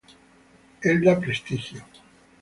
Elda Prestigio.